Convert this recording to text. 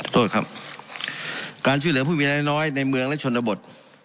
โทษครับการช่วยเหลือผู้มีรายได้น้อยในเมืองและชนบท